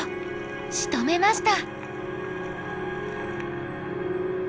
しとめました。